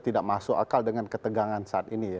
tidak masuk akal dengan ketegangan saat ini ya